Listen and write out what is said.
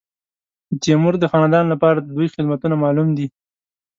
د تیمور د خاندان لپاره د دوی خدمتونه معلوم دي.